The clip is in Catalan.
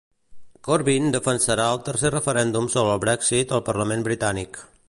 Corbyn defensarà el tercer referèndum sobre el Brexit al Parlament britànic.